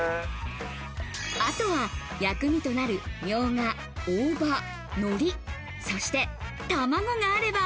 あとは薬味となるみょうが、大葉、のり、そして卵があればＯＫ。